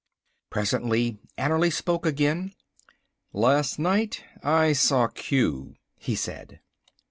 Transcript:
Presently Annerly spoke again. "Last night I saw Q," he said.